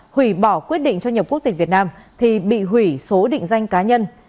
hủy bỏ quyết định cho nhập quốc tịch việt nam thì bị hủy số định danh cá nhân